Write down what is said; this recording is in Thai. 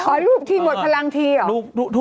หลงทีหมดพลังทีเหรอ